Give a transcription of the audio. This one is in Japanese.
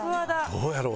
どうやろ？